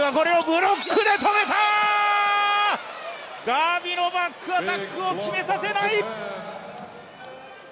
ガビのバックアタックを決めさせない！